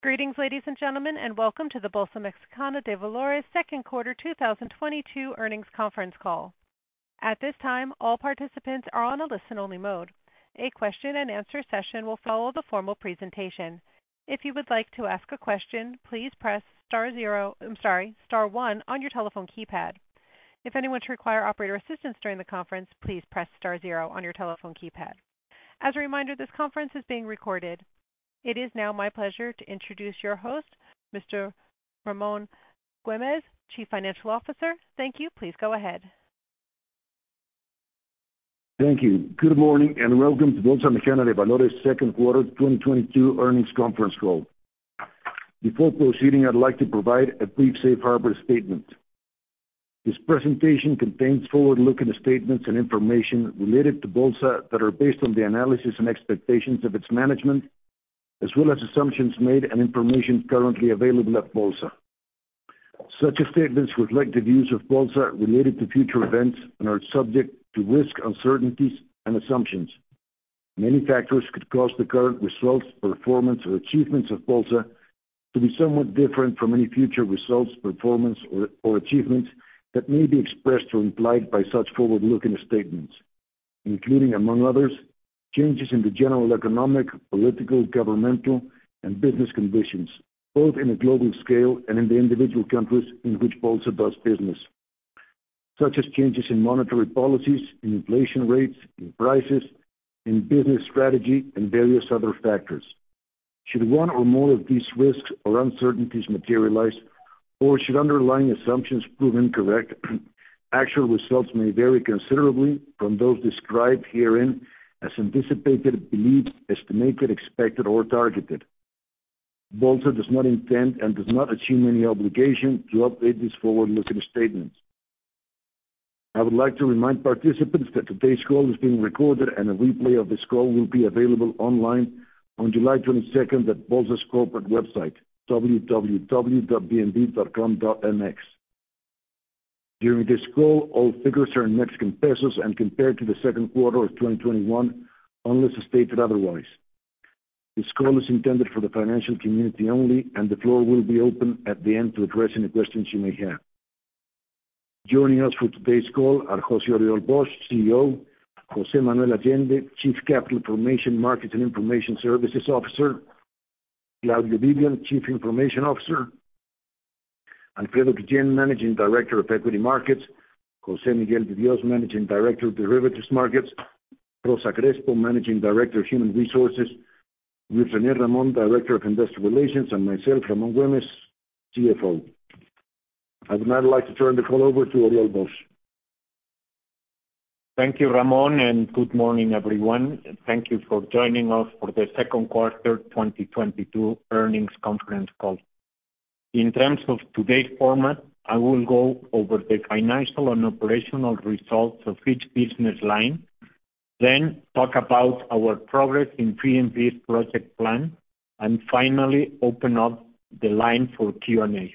Greetings, ladies and gentlemen, and welcome to the Bolsa Mexicana de Valores Second Quarter 2022 Earnings Conference Call. At this time, all participants are on a listen only mode. A question-and-answer session will follow the formal presentation. If you would like to ask a question, please press star one on your telephone keypad. If anyone require operator assistance during the conference, please press star zero on your telephone keypad. As a reminder, this conference is being recorded. It is now my pleasure to introduce your host, Mr. Ramón Güémez, Chief Financial Officer. Thank you. Please go ahead. Thank you. Good morning and welcome to Bolsa Mexicana de Valores Second Quarter 2022 Earnings Conference Call. Before proceeding, I'd like to provide a brief safe harbor statement. This presentation contains forward-looking statements and information related to Bolsa that are based on the analysis and expectations of its management, as well as assumptions made and information currently available at Bolsa. Such statements reflect the views of Bolsa related to future events and are subject to risk, uncertainties and assumptions. Many factors could cause the current results, performance or achievements of Bolsa to be somewhat different from any future results, performance or achievements that may be expressed or implied by such forward-looking statements, including, among others, changes in the general economic, political, governmental and business conditions, both in a global scale and in the individual countries in which Bolsa does business. Such as changes in monetary policies, in inflation rates, in prices, in business strategy and various other factors. Should one or more of these risks or uncertainties materialize or should underlying assumptions prove incorrect, actual results may vary considerably from those described herein as anticipated, believed, estimated, expected or targeted. Bolsa does not intend and does not assume any obligation to update these forward-looking statements. I would like to remind participants that today's call is being recorded and a replay of this call will be available online on July 22nd at Bolsa's corporate website, www.bmv.com.mx. During this call, all figures are in Mexican pesos and compared to the second quarter of 2021, unless stated otherwise. This call is intended for the financial community only and the floor will be open at the end to address any questions you may have. Joining us for today's call are José-Oriol Bosch, CEO. José Manuel Allende, Chief Capital Formation Markets and Information Services Officer. Claudio Vivian Gutiérrez, Chief Information Officer. Alfredo Guillén, Managing Director of Equity Markets. José Miguel de Dios, Managing Director of Derivatives Markets. Rosa Crespo, Managing Director of Human Resources. Luis René Ramón, Director of Industrial Relations and myself, Ramón Güémez Sarre, CFO. I would now like to turn the call over to José-Oriol Bosch. Thank you, Ramón Güémez, and good morning everyone. Thank you for joining us for the second quarter 2022 earnings conference call. In terms of today's format, I will go over the financial and operational results of each business line, then talk about our progress in BMV's project plan and finally open up the line for Q&A.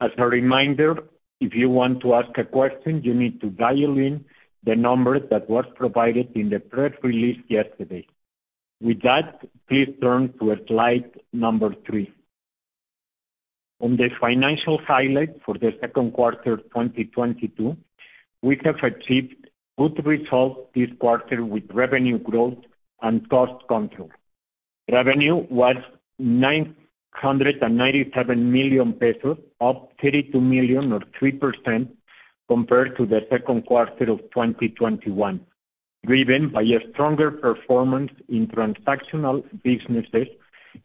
As a reminder, if you want to ask a question, you need to dial in the number that was provided in the press release yesterday. With that, please turn to Slide 3. On the financial highlight for the second quarter 2022, we have achieved good results this quarter with revenue growth and cost control. Revenue was 997 million pesos, up 32 million or 3% compared to the second quarter of 2021. Driven by a stronger performance in transactional businesses,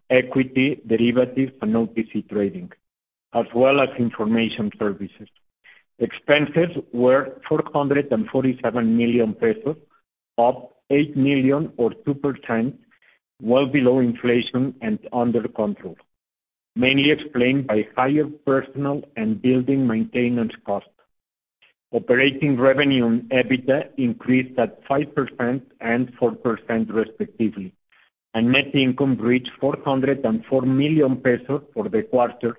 equity derivatives and OTC trading, as well as information services. Expenses were 447 million pesos, up 8 million or 2%, well below inflation and under control, mainly explained by higher personnel and building maintenance costs. Operating revenue and EBITDA increased at 5% and 4% respectively, and net income reached 404 million pesos for the quarter,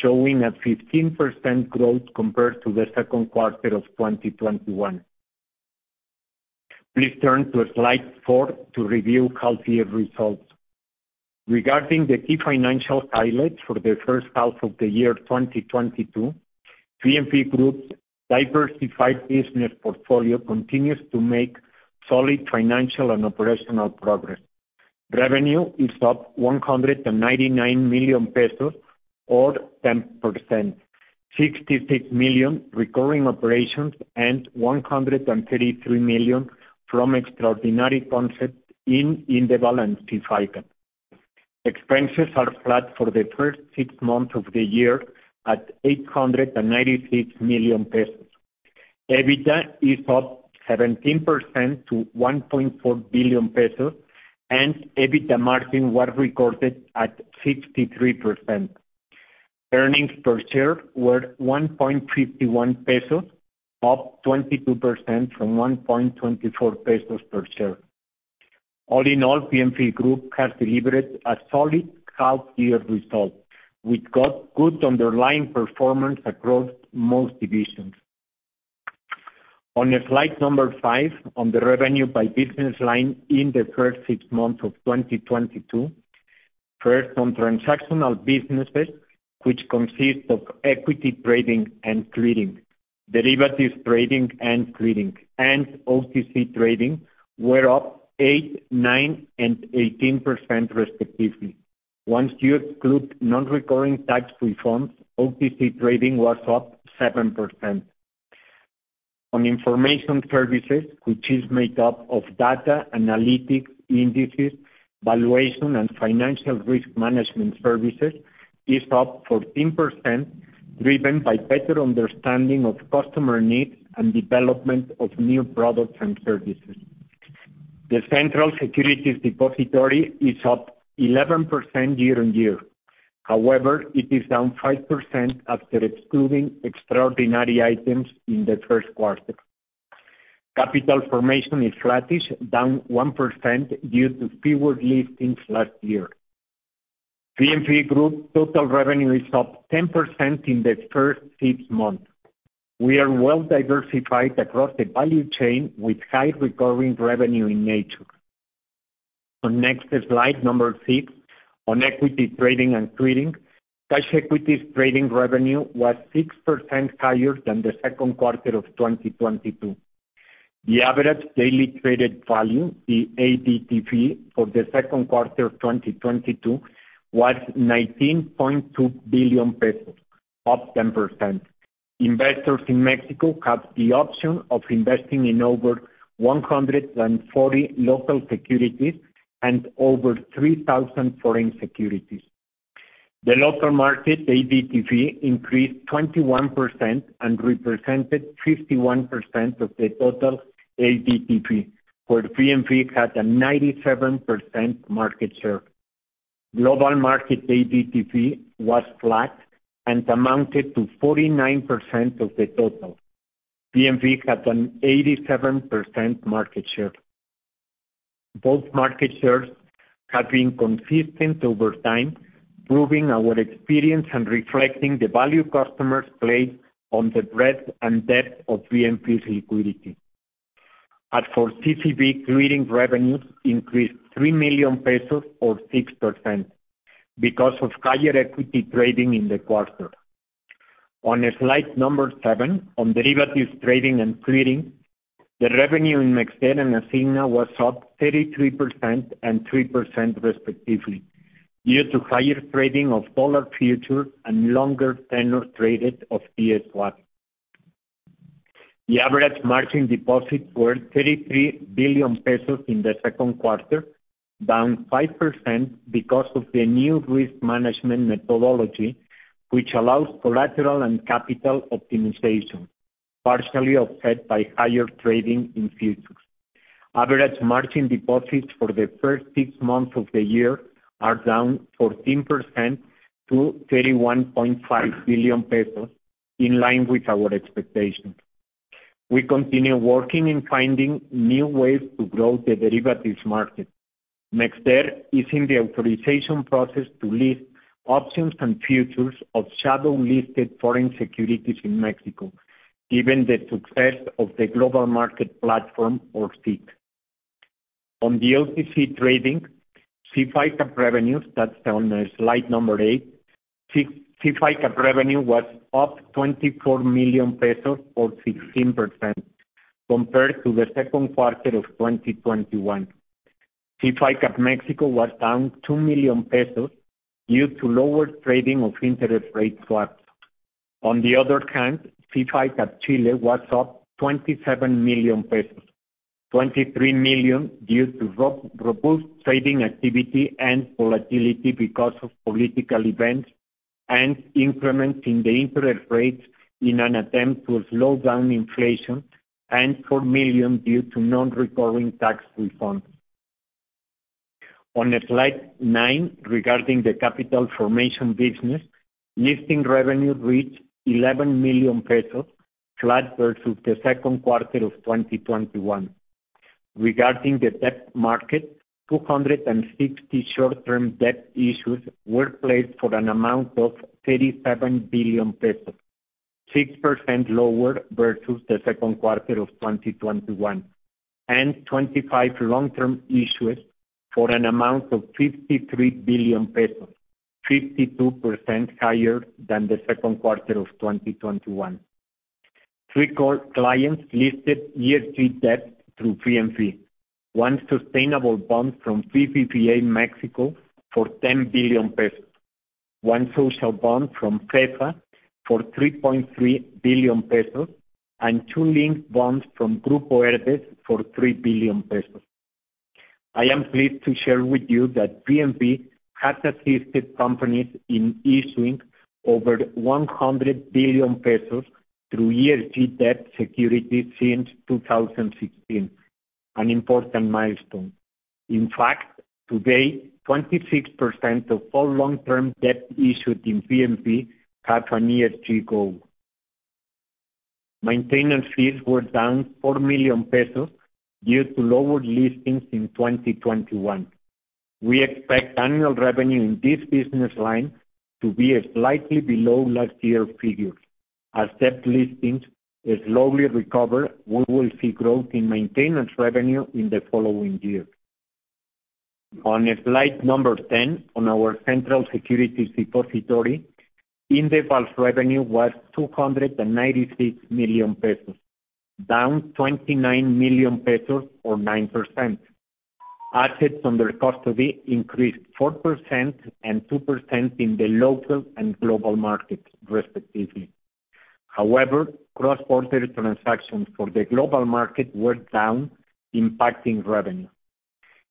showing a 15% growth compared to the second quarter of 2021. Please turn to Slide 4 to review these results. Regarding the key financial highlights for the first half of the year 2022, BMV Group's diversified business portfolio continues to make solid financial and operational progress. Revenue is up 199 million pesos or 10%, 66 million recurring operations and 133 million from extraordinary concept in the balance to cycle. Expenses are flat for the first six months of the year at 896 million pesos. EBITDA is up 17% to 1.4 billion pesos and EBITDA margin was recorded at 63%. Earnings per share were 1.51 pesos, up 22% from 1.24 pesos per share. All in all, BMV Group has delivered a solid half-year result with good underlying performance across most divisions. On Slide 5 on the revenue by business line in the first six months of 2022. First, on transactional businesses, which consist of equity trading and clearing, derivatives trading and clearing, and OTC trading were up 8%, 9%, and 18% respectively. Once you exclude non-recurring tax reforms, OTC trading was up 7%. On information services, which is made up of data, analytics, indices, valuation, and financial risk management services, is up 14% driven by better understanding of customer needs and development of new products and services. The central securities depository is up 11% year-on-year. However, it is down 5% after excluding extraordinary items in the first quarter. Capital formation is flattish, down 1% due to fewer listings last year. BMV Group total revenue is up 10% in the first six months. We are well-diversified across the value chain with high recurring revenue in nature. On next slide, number six. On equity trading and clearing, cash equities trading revenue was 6% higher than the second quarter of 2022. The average daily traded value, the ADTV for the second quarter of 2022 was 19.2 billion pesos, up 10%. Investors in Mexico have the option of investing in over 140 local securities and over 3,000 foreign securities. The local market ADTV increased 21% and represented 51% of the total ADTV, where BMV had a 97% market share. Global market ADTV was flat and amounted to 49% of the total. BMV had an 87% market share. Both market shares have been consistent over time, proving our experience and reflecting the value customers place on the breadth and depth of BMV's liquidity. As for CCP clearing revenues increased 3 million pesos or 6% because of higher equity trading in the quarter. On slide number seven, on derivatives trading and clearing, the revenue in MexDer and Asigna was up 33% and 3% respectively due to higher trading of dollar futures and longer tenor traded of TIIE swaps. The average margin deposits were 33 billion pesos in the second quarter, down 5% because of the new risk management methodology, which allows collateral and capital optimization, partially offset by higher trading in futures. Average margin deposits for the first six months of the year are down 14% to 31.5 billion pesos in line with our expectations. We continue working in finding new ways to grow the derivatives market. MexDer is in the authorization process to list options and futures of shadow-listed foreign securities in Mexico, given the success of the global market platform or SIC. On the OTC trading, SIF ICAP revenues, that's on slide number eight. SIF ICAP revenue was up 24 million pesos or 16% compared to the second quarter of 2021. SIF ICAP Mexico was down 2 million pesos due to lower trading of interest rate swaps. On the other hand, SIF ICAP Chile was up 27 million pesos. 23 million due to robust trading activity and volatility because of political events and increments in the interest rates in an attempt to slow down inflation, and 4 million due to non-recurring tax refunds. On Slide 9, regarding the capital formation business, listing revenue reached 11 million pesos, flat versus the second quarter of 2021. Regarding the debt market, 260 short-term debt issues were placed for an amount of 37 billion pesos, 6% lower versus the second quarter of 2021. 25 long-term issuers for an amount of 53 billion pesos, 52% higher than the second quarter of 2021. Three core clients listed ESG debt through BMV. One sustainable bond from BBVA Mexico for 10 billion pesos. One social bond from FEFA for 3.3 billion pesos, and two linked bonds from Grupo Herdez for 3 billion pesos. I am pleased to share with you that BMV has assisted companies in issuing over 100 billion pesos through ESG debt securities since 2016, an important milestone. In fact, today, 26% of all long-term debt issued in BMV have an ESG goal. Maintenance fees were down 4 million pesos due to lower listings in 2021. We expect annual revenue in this business line to be slightly below last year's figures. As debt listings slowly recover, we will see growth in maintenance revenue in the following year. On slide number 10, on our central securities depository, Indeval's revenue was 296 million pesos, down 29 million pesos or 9%. Assets under custody increased 4% and 2% in the local and global markets respectively. However, cross-border transactions for the global market were down, impacting revenue.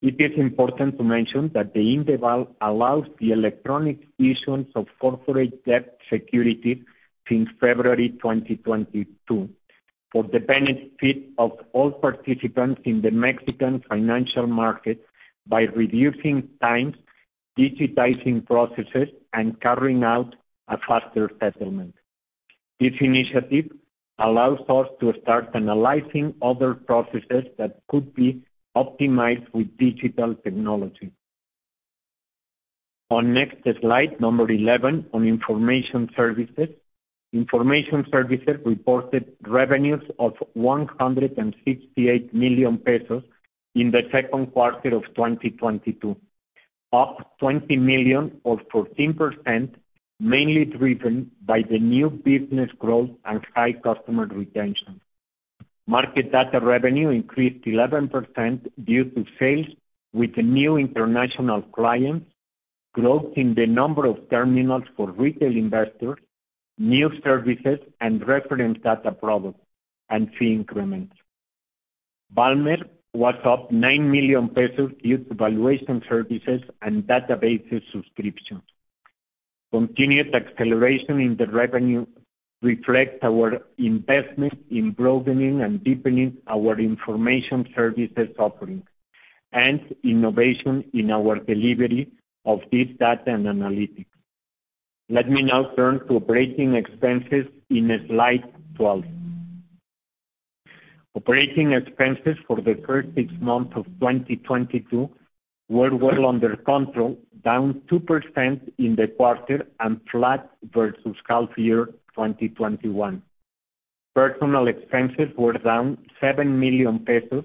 It is important to mention that Indeval allows the electronic issuance of corporate debt security since February 2022 for the benefit of all participants in the Mexican financial market by reducing times, digitizing processes, and carrying out a faster settlement. This initiative allows us to start analyzing other processes that could be optimized with digital technology. On next slide, number 11, on information services. Information Services reported revenues of 168 million pesos in the second quarter of 2022, up 20 million or 14%, mainly driven by the new business growth and high customer retention. Market data revenue increased 11% due to sales with the new international clients, growth in the number of terminals for retail investors, new services, and reference data products and fee increments. Valmer was up 9 million pesos due to valuation services and databases subscriptions. Continued acceleration in the revenue reflects our investment in broadening and deepening our information services offering and innovation in our delivery of this data and analytics. Let me now turn to operating expenses in Slide 12. Operating expenses for the first six months of 2022 were well under control, down 2% in the quarter and flat versus half year 2021. Personnel expenses were down 7 million pesos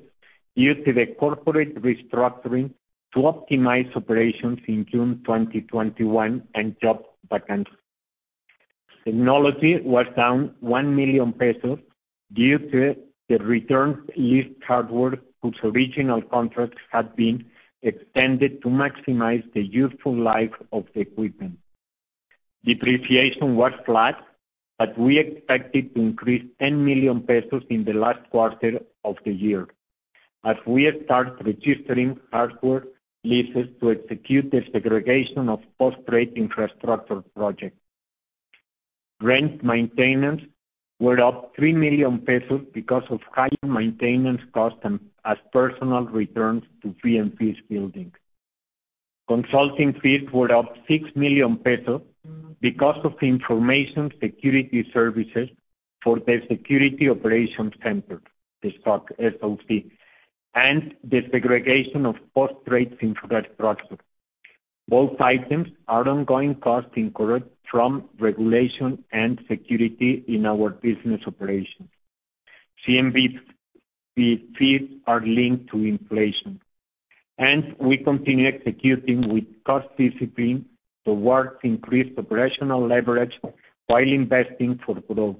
due to the corporate restructuring to optimize operations in June 2021 and job vacancies. Technology was down 1 million pesos due to the returned leased hardware whose original contracts had been extended to maximize the useful life of the equipment. Depreciation was flat, but we expect it to increase 10 million pesos in the last quarter of the year as we have started registering hardware leases to execute the segregation of post-trade infrastructure project. Rent maintenance were up 3 million pesos because of higher maintenance costs and as personnel returns to BMV's building. Consulting fees were up 6 million pesos because of information security services for the security operations center, the SOC, and the segregation of post-trade infrastructure. Both items are ongoing costs incurred from regulation and security in our business operations. CNBV fees are linked to inflation, and we continue executing with cost discipline towards increased operational leverage while investing for growth.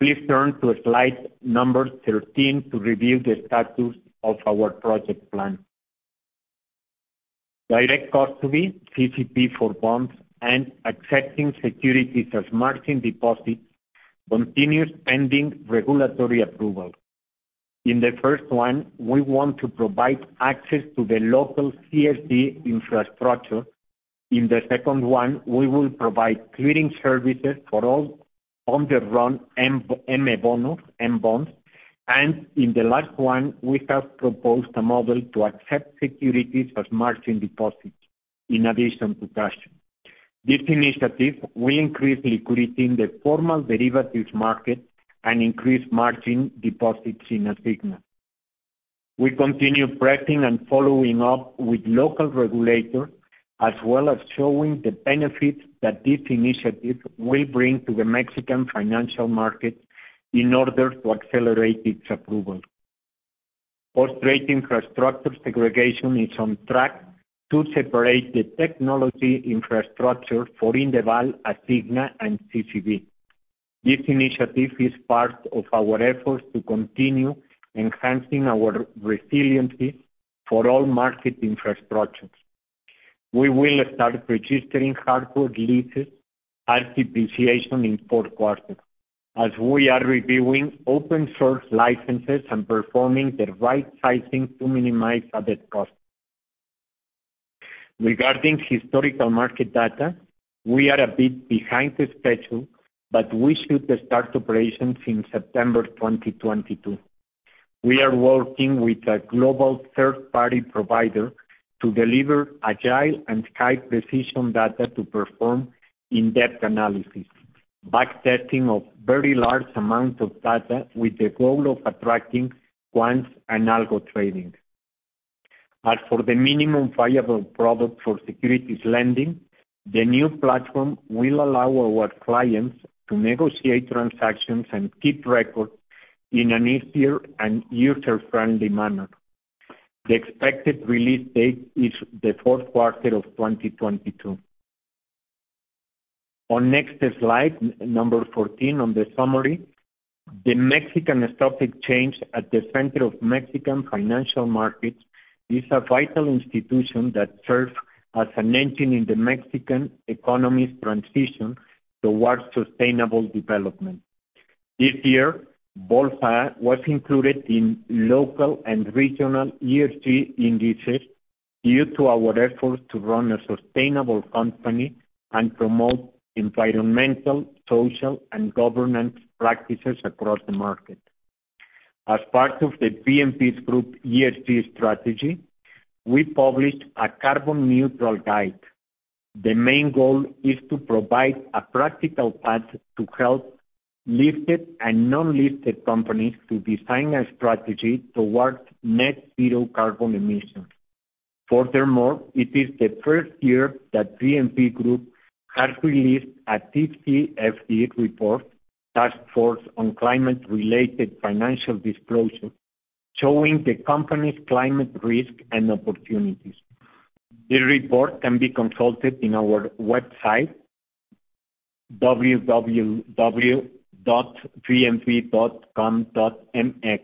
Please turn to slide number 13 to review the status of our project plan. Direct custody, CCP for bonds, and accepting securities as margin deposits continues pending regulatory approval. In the first one, we want to provide access to the local CSD infrastructure. In the second one, we will provide clearing services for all on the run M bonos, M bonds. In the last one, we have proposed a model to accept securities as margin deposits in addition to cash. This initiative will increase liquidity in the formal derivatives market and increase margin deposits in Asigna. We continue pressing and following up with local regulators as well as showing the benefits that this initiative will bring to the Mexican financial market in order to accelerate its approval. Post-trade infrastructure segregation is on track to separate the technology infrastructure for Indeval, Asigna, and CCP. This initiative is part of our efforts to continue enhancing our resiliency for all market infrastructures. We will start registering hardware leases as depreciation in fourth quarter as we are reviewing open source licenses and performing the right sizing to minimize added costs. Regarding historical market data, we are a bit behind schedule, but we should start operations in September 2022. We are working with a global third-party provider to deliver agile and high-precision data to perform in-depth analysis. Backtesting of very large amount of data with the goal of attracting quants and algo trading. As for the minimum viable product for securities lending, the new platform will allow our clients to negotiate transactions and keep records in an easier and user-friendly manner. The expected release date is the fourth quarter of 2022. On next slide, number 14 on the summary, the Mexican Stock Exchange at the center of Mexican financial markets is a vital institution that serves as an engine in the Mexican economy's transition towards sustainable development. This year, Bolsa was included in local and regional ESG indices due to our efforts to run a sustainable company and promote environmental, social, and governance practices across the market. As part of the BMV Group ESG strategy, we published a carbon neutral guide. The main goal is to provide a practical path to help listed and non-listed companies to design a strategy towards net zero carbon emissions. Furthermore, it is the first year that BMV Group has released a TCFD report, Task Force on Climate-related Financial Disclosure, showing the company's climate risk and opportunities. The report can be consulted in our website, www.bmv.com.mx.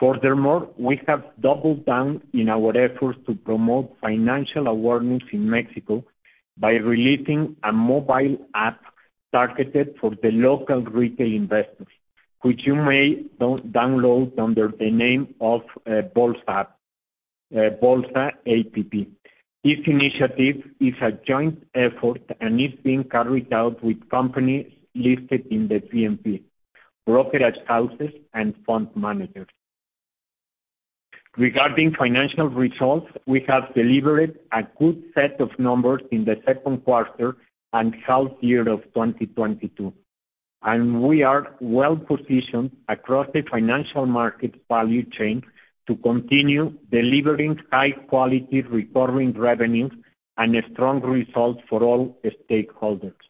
Furthermore, we have doubled down in our efforts to promote financial awareness in Mexico by releasing a mobile app targeted for the local retail investors, which you may download under the name of BOLSAPP. This initiative is a joint effort and is being carried out with companies listed in the BMV, brokerage houses and fund managers. Regarding financial results, we have delivered a good set of numbers in the second quarter and half year of 2022, and we are well-positioned across the financial market value chain to continue delivering high quality recurring revenues and strong results for all stakeholders.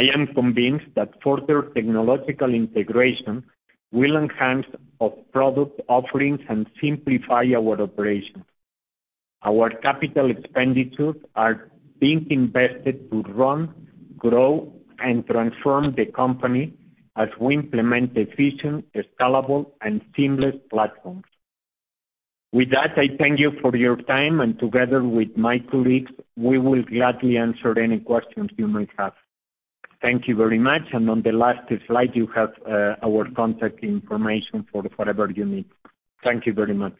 I am convinced that further technological integration will enhance our product offerings and simplify our operations. Our capital expenditures are being invested to run, grow, and transform the company as we implement efficient, scalable, and seamless platforms. With that, I thank you for your time, and together with my colleagues, we will gladly answer any questions you might have. Thank you very much. On the last slide you have, our contact information for whatever you need. Thank you very much.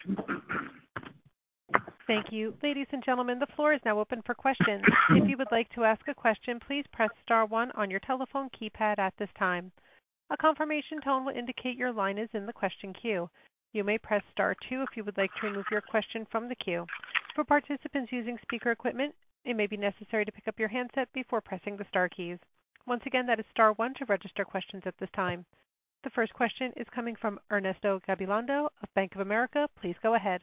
Thank you. Ladies and gentlemen, the floor is now open for questions. If you would like to ask a question, please press star one on your telephone keypad at this time. A confirmation tone will indicate your line is in the question queue. You may press star two if you would like to remove your question from the queue. For participants using speaker equipment, it may be necessary to pick up your handset before pressing the star keys. Once again, that is star one to register questions at this time. The first question is coming from Ernesto Gabilondo of Bank of America. Please go ahead.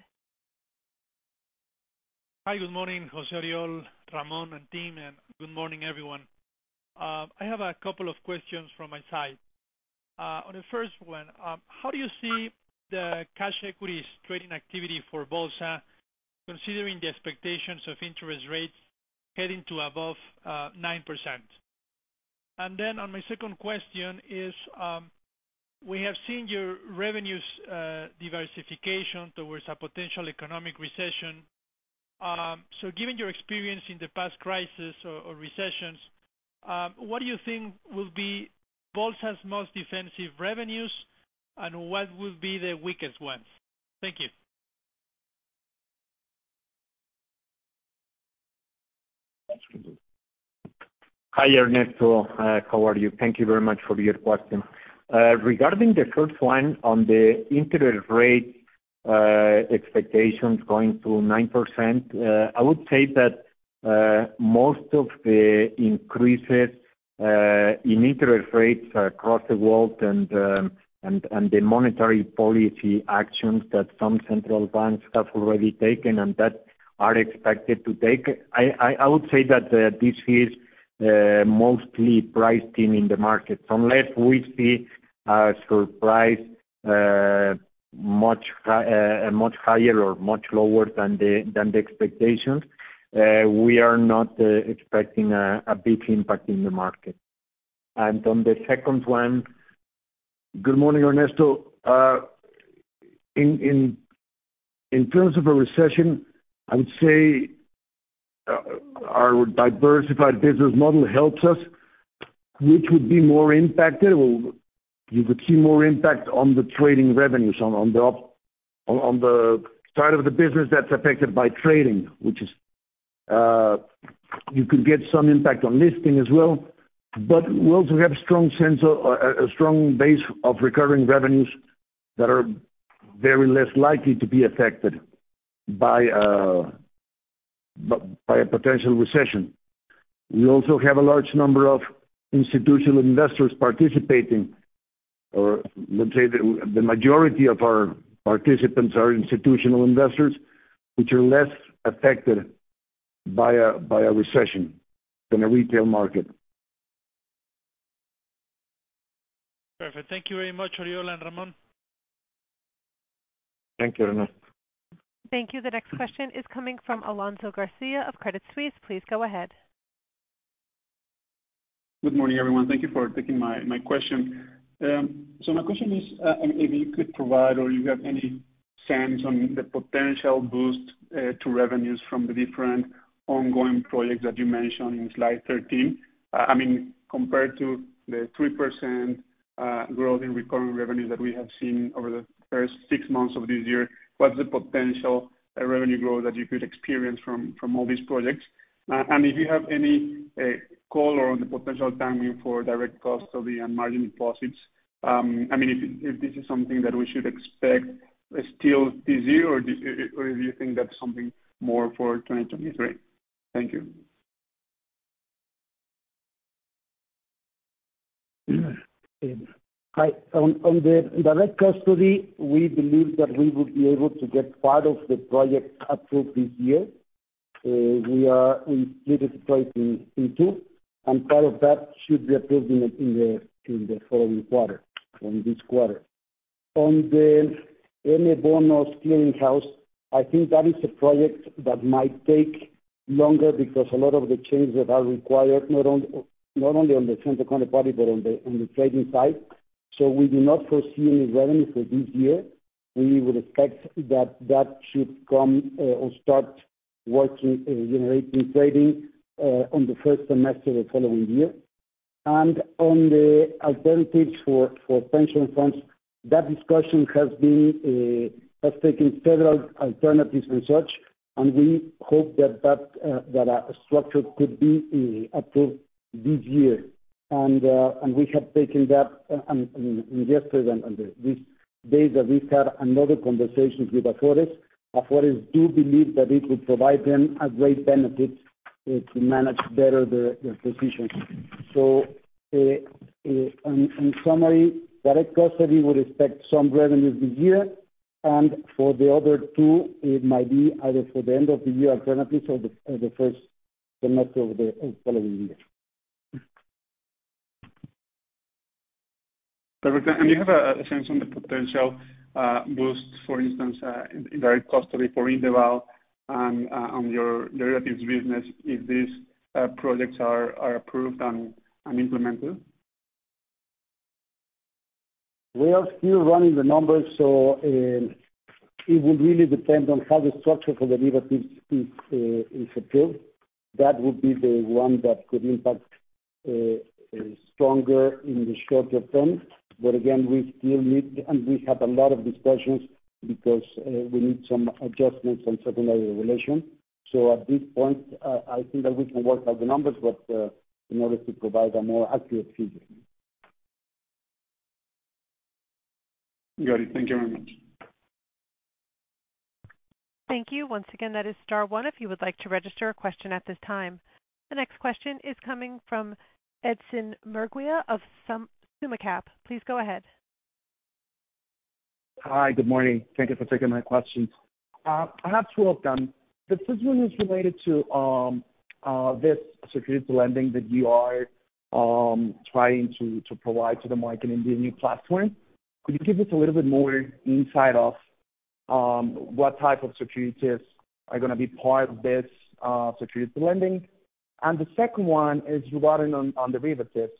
Hi, good morning, José-Oriol, Ramón, and team, and good morning, everyone. I have a couple of questions from my side. On the first one, how do you see the cash equities trading activity for Bolsa considering the expectations of interest rates heading to above 9%? On my second question is, we have seen your revenues diversification towards a potential economic recession. Given your experience in the past crisis or recessions, what do you think will be Bolsa's most defensive revenues, and what will be the weakest ones? Thank you. Hi, Ernesto. How are you? Thank you very much for your question. Regarding the first one on the interest rate expectations going to 9%, I would say that most of the increases in interest rates across the world and the monetary policy actions that some central banks have already taken and that are expected to take, I would say that this is mostly priced in the market. Unless we see a surprise much higher or much lower than the expectations, we are not expecting a big impact in the market. On the second one. Good morning, Ernesto. In terms of a recession, I would say our diversified business model helps us. Which would be more impacted. Well, you could see more impact on the trading revenues on the side of the business that's affected by trading, which is you could get some impact on listing as well. But we also have strong sense of a strong base of recurring revenues that are very less likely to be affected by. By a potential recession. We also have a large number of institutional investors participating, or let's say the majority of our participants are institutional investors, which are less affected by a recession than a retail market. Perfect. Thank you very much, Oriol and Ramón. Thank you. Thank you. The next question is coming from Alonso Garcia of Credit Suisse. Please go ahead. Good morning, everyone. Thank you for taking my question. My question is, if you could provide or you have any sense on the potential boost to revenues from the different ongoing projects that you mentioned in Slide 13. I mean, compared to the 3% growth in recurring revenues that we have seen over the first six months of this year, what's the potential revenue growth that you could experience from all these projects? If you have any call on the potential timing for direct custody of the margin deposits, I mean, if this is something that we should expect still this year or do you think that's something more for 2023? Thank you. On the direct custody, we believe that we would be able to get part of the project approved this year. We are splitting it in two, and part of that should be approved in this quarter. On the M Bonos clearinghouse, I think that is a project that might take longer because a lot of the changes that are required, not only on the central counterparty, but on the trading side. We do not foresee any revenue for this year. We would expect that should come, or start working, generating trading, on the first semester the following year. On the alternatives for pension funds, that discussion has taken several alternatives and such, and we hope that structure could be approved this year. We have taken that. Yesterday and this day we've had another conversation with Afores. Afores do believe that it would provide them a great benefit to manage better their positions. In summary, direct custody, we would expect some revenue this year. For the other two, it might be either for the end of the year, alternatively, the first semester of the following year. Perfect. You have a sense on the potential boost, for instance, in direct custody for Indeval and on your derivatives business if these projects are approved and implemented? We are still running the numbers, so it would really depend on how the structure for derivatives is approved. That would be the one that could impact stronger in the shorter term. Again, we still need. We have a lot of discussions because we need some adjustments on secondary regulation. At this point, I think that we can work out the numbers with the in order to provide a more accurate figure. Got it. Thank you very much. Thank you. Once again, that is star one if you would like to register a question at this time. The next question is coming from Edson Murguía of SummaCap. Please go ahead. Hi. Good morning. Thank you for taking my questions. I have two of them. The first one is related to this securities lending that you are trying to provide to the market in the new platform. Could you give us a little bit more insight of what type of securities are gonna be part of this securities lending? And the second one is regarding on derivatives.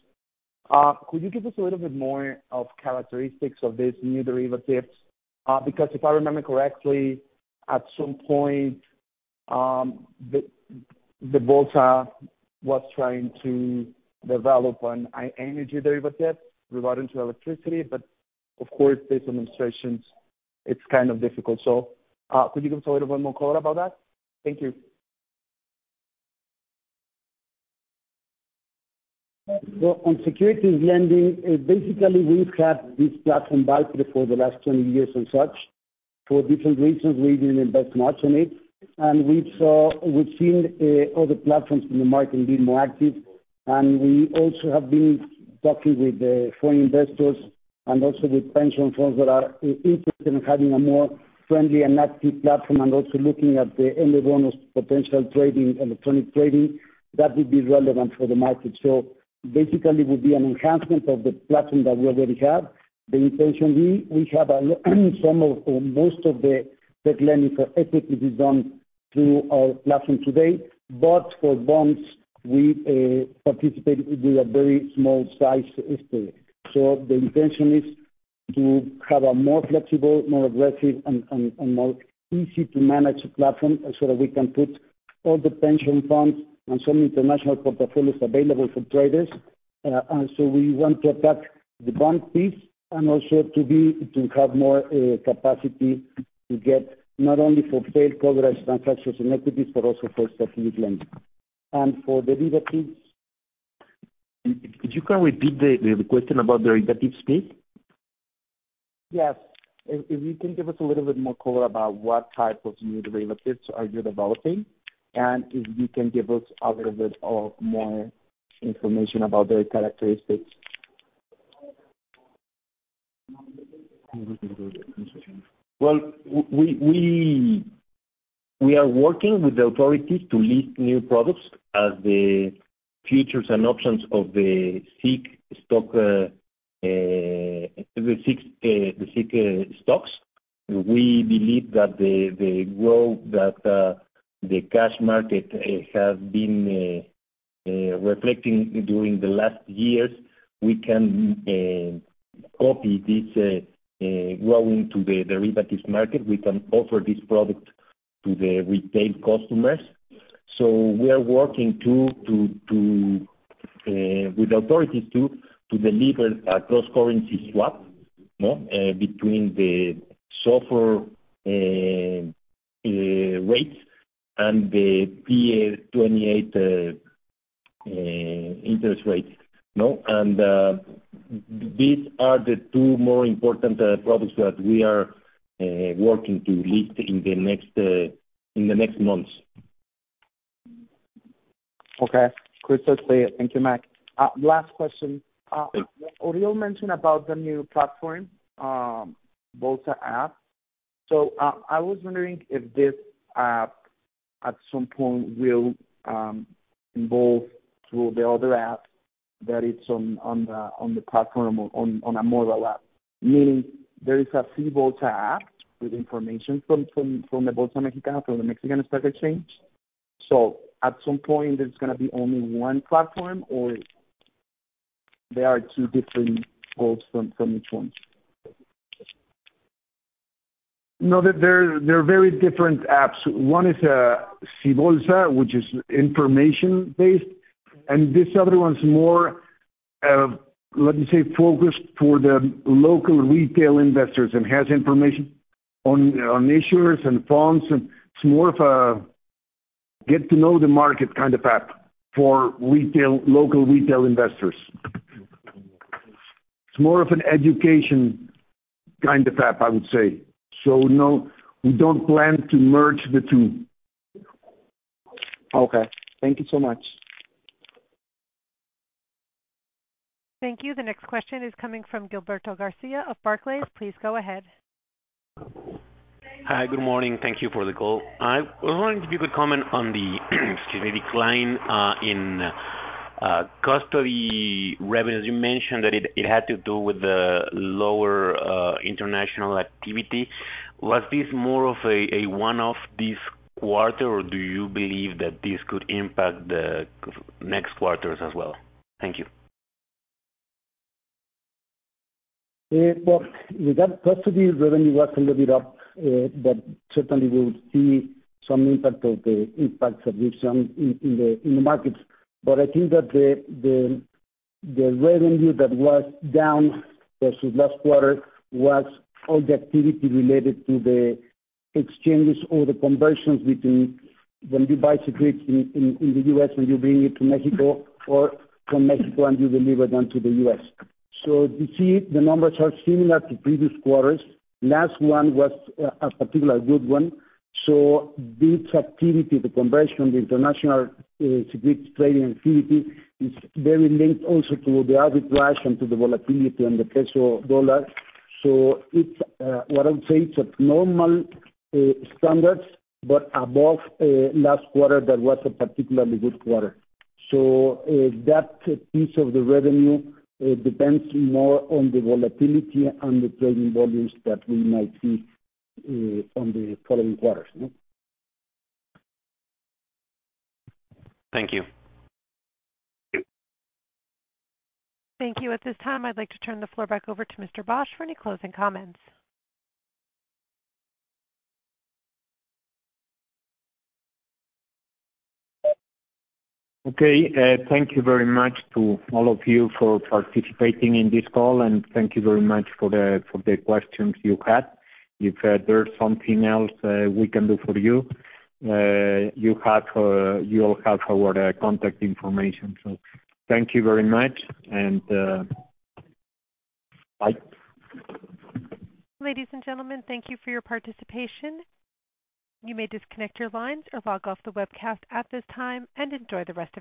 Could you give us a little bit more of characteristics of these new derivatives? Because if I remember correctly, at some point, the Bolsa was trying to develop an energy derivative regarding electricity, but of course with these administrations, it's kind of difficult. Could you give us a little bit more color about that? Thank you. Well, on securities lending, basically we've had this platform back before the last 20 years and such. For different reasons, we didn't invest much on it. We've saw. We've seen other platforms in the market being more active. We also have been talking with the foreign investors and also with pension funds that are interested in having a more friendly and active platform, and also looking at the M Bonos potential trading, electronic trading, that would be relevant for the market. Basically it would be an enhancement of the platform that we already have. The intention, we have some of or most of the lending for equity is done through our platform today, but for bonds, we participate with a very small size exposure. The intention is to have a more flexible, more aggressive and more easy to manage platform so that we can put all the pension funds and some international portfolios available for traders. We want to attack the bond piece and also to have more capacity to get not only for fixed income transactions and equities, but also for securities lending. For derivatives. Could you repeat the question about derivatives, please? Yes. If you can give us a little bit more color about what type of new derivatives are you developing, and if you can give us a little bit of more information about their characteristics? Well, we are working with the authorities to list new products as the futures and options of the SIC stocks. We believe that the growth that the cash market has been reflecting during the last years, we can copy this growing to the derivatives market. We can offer this product to the retail customers. We are working with authorities to deliver a cross-currency swap between the SOFR rates and the TIIE 28 interest rates. These are the two more important products that we are working to list in the next months. Okay. Crystal clear. Thank you, Mike. Last question. José-Oriol mentioned about the new platform, Bolsapp. I was wondering if this app at some point will evolve through the other app that is on the platform or on a mobile app. Meaning there is a SiBolsa app with information from the Bolsa Mexicana, the Mexican Stock Exchange. At some point, there's gonna be only one platform, or there are two different goals for each one? No. They're very different apps. One is SiBolsa, which is information-based, and this other one's more, let me say, focused for the local retail investors and has information on issuers and funds. It's more of a get to know the market kind of app for retail, local retail investors. It's more of an education kind of app, I would say. No, we don't plan to merge the two. Okay. Thank you so much. Thank you. The next question is coming from Gilberto Garcia of Barclays. Please go ahead. Hi. Good morning. Thank you for the call. I was wondering if you could comment on the, excuse me, decline in custody revenue. You mentioned that it had to do with the lower international activity. Was this more of a one-off this quarter, or do you believe that this could impact the next quarters as well? Thank you. Well, with that custody revenue was a little bit up, but certainly we would see some impact of the solution in the markets. I think that the revenue that was down versus last quarter was all the activity related to the exchanges or the conversions between when you buy certificates in the U.S. and you bring it to Mexico or from Mexico and you deliver them to the U.S. You see the numbers are similar to previous quarters. Last one was a particular good one. This activity, the conversion, the international certificates trading activity is very linked also to the arbitrage and to the volatility and the peso/dollar. It's what I would say it's normal standards, but above last quarter that was a particularly good quarter. That piece of the revenue depends more on the volatility and the trading volumes that we might see on the following quarters, no? Thank you. Thank you. At this time, I'd like to turn the floor back over to Mr. Bosch for any closing comments. Okay. Thank you very much to all of you for participating in this call, and thank you very much for the, for the questions you had. If there's something else we can do for you have, you all have our contact information. Thank you very much, and bye. Ladies and gentlemen, thank you for your participation. You may disconnect your lines or log off the webcast at this time, and enjoy the rest of your day.